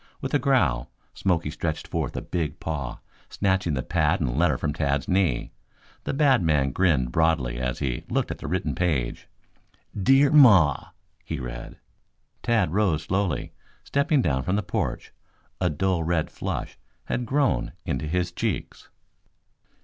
With a growl, Smoky stretched forth a big paw, snatching the pad and letter from Tad's knee. The bad man grinned broadly as he looked at the written page. "'Dear Maw,'" he read. Tad rose slowly, stepping down from the porch. A dull red flush had grown into his cheeks.